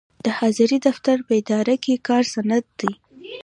د حاضرۍ دفتر په اداره کې کاري سند دی.